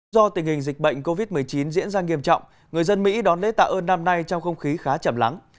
do tình hình dịch bệnh covid một mươi chín diễn ra nghiêm trọng người dân mỹ đón lễ tạ ơn năm nay trong không khí khá chậm lắng